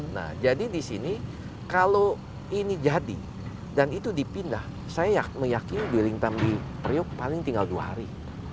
nah jadi disini kalau ini jadi dan itu dipindah saya meyakini dwelling time di puryoko paling tinggal dua hari